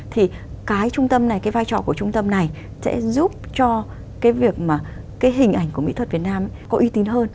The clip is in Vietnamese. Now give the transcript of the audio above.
thì cái trung tâm này cái vai trò của trung tâm này sẽ giúp cho cái hình ảnh của mỹ thuật việt nam có uy tín hơn